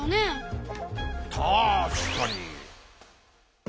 たしかに。